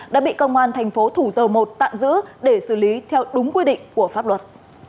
đã bị công an thành phố thủ dầu một tạm giữ để xử lý theo đúng quy định của pháp luật